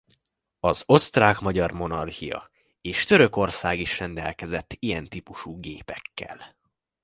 Az Osztrák–Magyar Monarchia és Törökország is rendelkezett ilyen típusú gépekkel.